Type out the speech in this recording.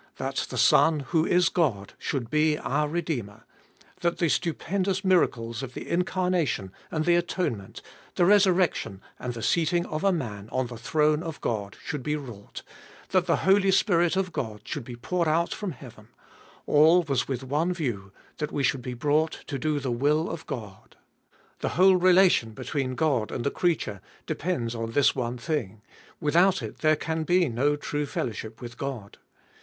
That the Son, who is God, should be our Redeemer ; that the stupendous miracles of the 542 £be iboltest of ail incarnation and the atonement, the resurrection and the seating of a man on the throne of God, should be wrought, that the Holy Spirit of God should be poured out from heaven, — all was with one view, that we should be brought to do tJie will of God. The whole relation between God and the creature depends on this one thing : without it there can be no true fellowship with God.